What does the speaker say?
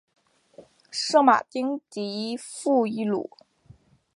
圣马丁迪富伊卢。